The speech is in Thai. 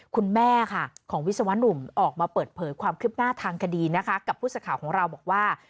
คุณแม่ของวิศวะหนุ่มออกมาเปิดเผยความคลิปหน้าทางสมัยกับผู้สัตว์ของเราบอกว่า